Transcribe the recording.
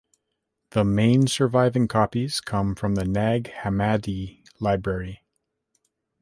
The main surviving copies come from the Nag Hammadi library.